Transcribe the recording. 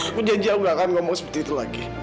aku janji allah gak akan ngomong seperti itu lagi